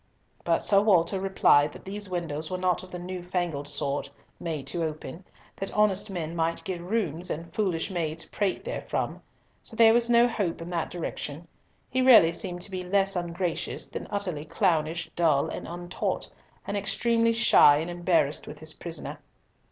But Sir Walter replied that these windows were not of the new fangled sort, made to open, that honest men might get rheums, and foolish maids prate therefrom. So there was no hope in that direction. He really seemed to be less ungracious than utterly clownish, dull, and untaught, and extremely shy and embarrassed with his prisoner.